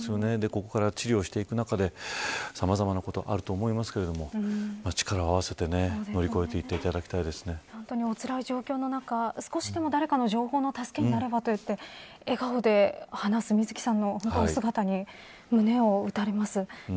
ここから治療をしていく中でさまざまなことがあると思いますけれど力を合わせて乗り越えて本当におつらい状況の中少しでも誰かの情報の助けになればということで笑顔で話す、みずきさんの姿に胸をうたれます。